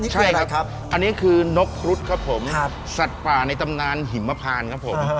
ใช่ครับอันนี้คือนกครุฑครับผมสัตว์ป่าในตำนานหิมพานครับผม